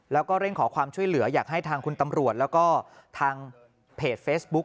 แล้วก็เร่งขอความช่วยเหลืออยากให้ทางคุณตำรวจแล้วก็ทางเพจเฟซบุ๊ก